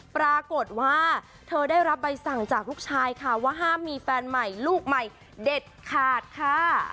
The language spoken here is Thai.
ปรากฏว่าเธอได้รับใบสั่งจากลูกชายค่ะว่าห้ามมีแฟนใหม่ลูกใหม่เด็ดขาดค่ะ